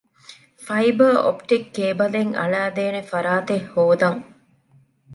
ފައިބަރ އޮޕްޓިކް ކޭބަލެއް އަޅައިދޭނެ ފަރާތެއް ހޯދަން